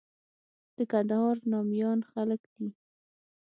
د کندهار ناميان خلک دي.